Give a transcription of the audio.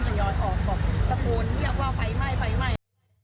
มันจะยอดออกกับกระโปรนเรียกว่าไฟไหม้ไฟไหม้